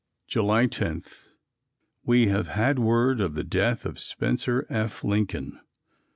July 10. We have had word of the death of Spencer F. Lincoln.